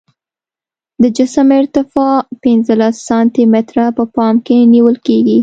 د جسم ارتفاع پنځلس سانتي متره په پام کې نیول کیږي